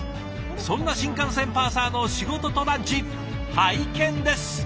そんな新幹線パーサーの仕事とランチ拝見です。